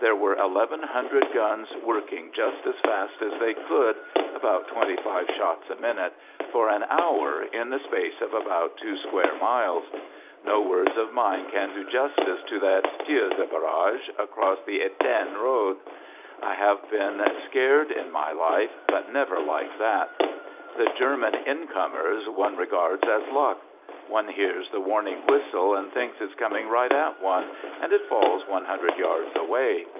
There were eleven hundred guns working just as fast as they could (about twenty i five shots a minute) for an hour in the space of about two square miles. No words of mine can ^ do justice to that " tir de barrage " across the fitain road. I have been scared in my life, but never like that. The German " incomers " one regards as luck. One hears the warning whistle and thinks , it's coming right at one, and it falls one hundred yards away.